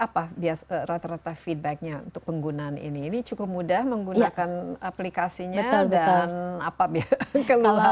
apa rata rata feedbacknya untuk penggunaan ini ini cukup mudah menggunakan aplikasinya dan apabila keluhan